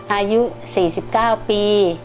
อายุ๔๙ปี